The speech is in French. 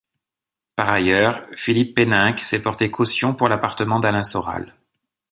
Par ailleurs, Philippe Péninque s'est porté caution pour l'appartement d'Alain Soral.